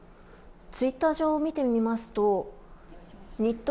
ツイッター上を見てみますと日当